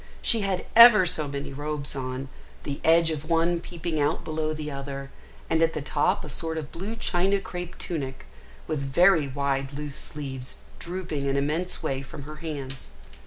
She had ever so many robes on, the edge of one peeping out below the other, and at the top a sort of blue China crape tunic, with very wide loose sleeves drooping an immense way from her hands.